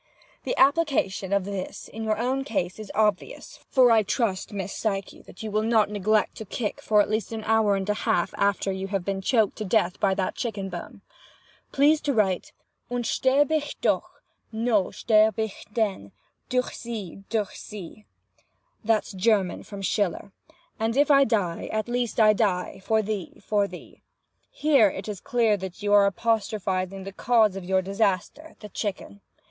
The application of this to your own case is obvious—for I trust, Miss Psyche, that you will not neglect to kick for at least an hour and a half after you have been choked to death by that chicken bone. Please to write! 'Und sterb'ich doch, no sterb'ich denn Durch sie—durch sie!'' "That's German—from Schiller. 'And if I die, at least I die—for thee—for thee!' Here it is clear that you are apostrophizing the cause of your disaster, the chicken.